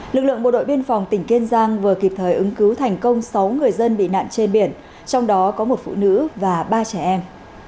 lực lượng bộ đội biên phòng tỉnh kiên giang vừa kịp thời ứng cứu thành công sáu người dân bị nạn trên biển trong đó có một phụ nữ và ba trẻ em